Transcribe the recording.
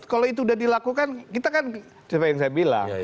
kalau itu sudah dilakukan kita kan seperti yang saya bilang